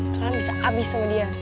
kalian bisa habis sama dia